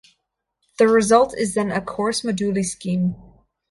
The result is then a "coarse moduli scheme".